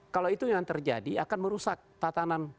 kalau itu yang terjadi akan merusak tatanan